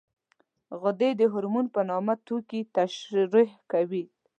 غدې د هورمون په نامه توکي ترشح کوي.